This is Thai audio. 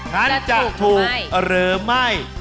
นั้นจะถูกหรือไม่